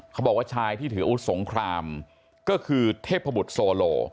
เขาบอกว่าชายที่ถืออาวุธสงครามก็คือเทพบุตรโซโล